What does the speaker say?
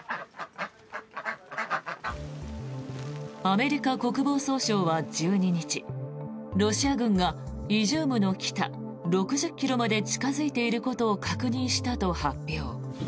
アメリカ国防総省は１２日ロシア軍がイジュームの北６０ｋｍまで近付いていることを確認したと発表。